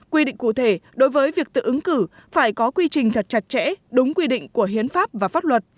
quy định cụ thể đối với việc tự ứng cử phải có quy trình thật chặt chẽ đúng quy định của hiến pháp và pháp luật